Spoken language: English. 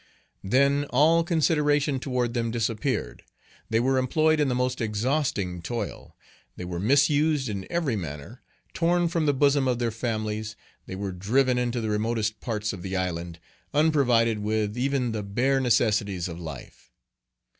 Then all consideration toward them disappeared. They were employed in the most exhausting toil, they were misused in every manner; torn from the bosom of their families, they were driven into the remotest parts of the island, Page 25 unprovided with even the bare necessaries of life.